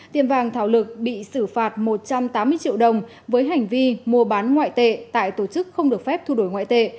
tiền vàng thảo lực bị xử phạt một trăm tám mươi triệu đồng với hành vi mua bán ngoại tệ tại tổ chức không được phép thu đổi ngoại tệ